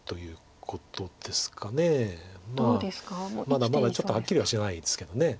まだまだちょっとはっきりはしてないですけど。